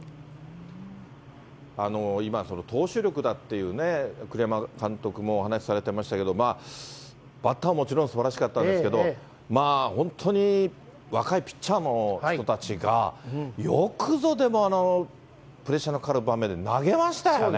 今、投手力だっていう、栗山監督もお話しされてましたけれども、バッターはもちろんすばらしかったんですけれども、本当に若いピッチャーの人たちが、よくぞ、でもプレッシャーのかかる場面で投げましたよね。